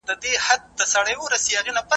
پاک چاپېریال د خلکو روغتیا ته مستقیمه ګټه رسوي.